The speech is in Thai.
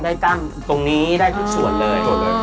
ได้กล้ามตรงนี้ได้กล้ามส่วนเลยอย่างส่วนเลย